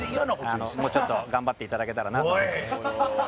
もうちょっと頑張って頂けたらなと思います。